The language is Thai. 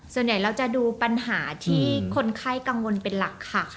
ส่วนใหญ่เราจะดูปัญหาที่คนไข้กังวลเป็นหลักค่ะ